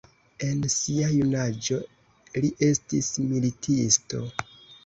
En sia junaĝo li estis militisto.